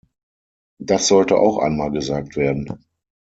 Das sollte auch einmal gesagt werden.